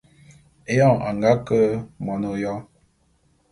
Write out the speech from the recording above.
Éyoň a nga ke mon ôyo.